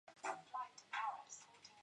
对拳支援者